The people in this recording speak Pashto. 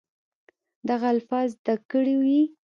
دغه الفاظ زده کړي وي